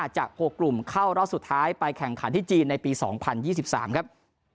จาก๖กลุ่มเข้ารอบสุดท้ายไปแข่งขันที่จีนในปี๒๐๒๓ครับ